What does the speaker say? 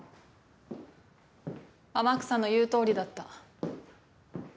天草の言うとおりだった。